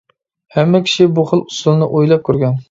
ھەممە كىشى بۇ خىل ئۇسۇلنى ئويلاپ كۆرگەن.